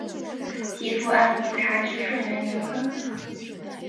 其父按浑察至顺元年薨。